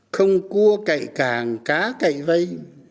không cua cậy càng cá cậy vây